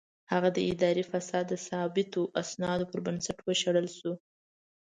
هغه د اداري فساد د ثابتو اسنادو پر بنسټ وشړل شو.